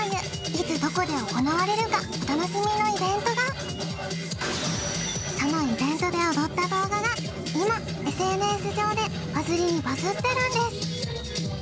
いつどこで行われるかお楽しみのイベントがそのイベントで踊った動画が今ＳＮＳ上でバズりにバズってるんです